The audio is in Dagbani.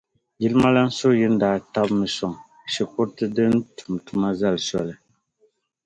jilimalana Suhuyini daa tabi mi soŋ shikuruti din tuma tum zali soli.